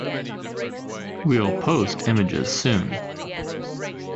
We'll post images soon.